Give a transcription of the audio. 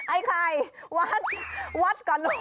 ไอ้ไข่วัดวัดก่อนลูก